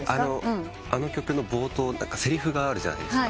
あの曲の冒頭せりふがあるじゃないですか。